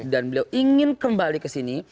dan beliau ingin kembali ke sini